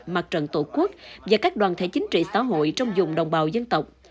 mặt trận tổ quốc và các đoàn thể chính trị xã hội trong dùng đồng bào dân tộc